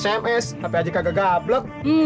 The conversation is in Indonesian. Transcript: sms tapi aja kagak gablek